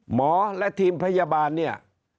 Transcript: หมอและทีมพยาบาลเนี่ย